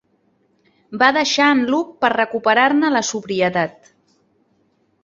Va deixar en Luke per recuperar-ne la sobrietat.